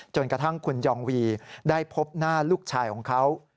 จนกระทั่งคุณยองวีได้พบหน้าลูกชายของเขา